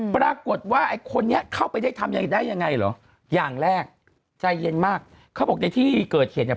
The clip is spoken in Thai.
ปรากฏว่าไอ้คนนี้เข้าไปได้ทำยังไงได้ยังไงเหรออย่างแรกใจเย็นมากเขาบอกในที่เกิดเหตุเนี่ย